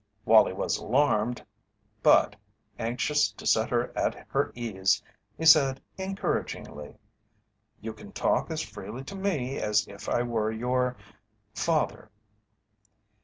Wallie was alarmed but, anxious to set her at her ease, he said encouragingly: "You can talk as freely to me as if I were your father."